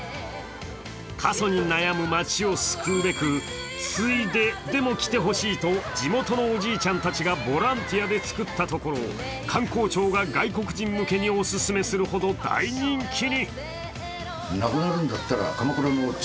過疎に悩む町を救うべく、ついででも来てほしいと地元のおじいちゃんたちがボランティアで造ったところ観光庁が外国人向けにオススメするほど大人気に。